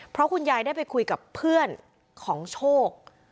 เพราะคุณยายได้ไปคุยกับเพื่อนของโชค